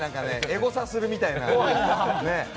エゴサするみたいなね。